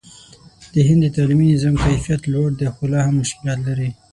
د هند د تعلیمي نظام کیفیت لوړ دی، خو لا هم مشکلات لري.